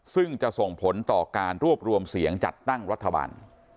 ซึ่งจะส่งผลต่อการรวบรวมเสียงจัดตั้งรัฐบาล